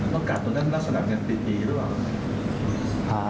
ต้องการตนท่านลักษณะในปีหรือเปล่า